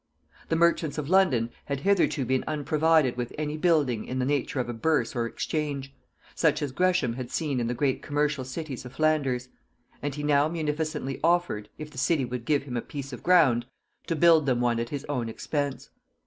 The merchants of London had hitherto been unprovided with any building in the nature of a burse or exchange, such as Gresham had seen in the great commercial cities of Flanders; and he now munificently offered, if the city would give him a piece of ground, to build them one at his own expense.